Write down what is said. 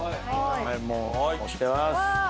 はいもう押してます。